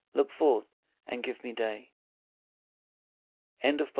look forth and give me day. 26 TO C.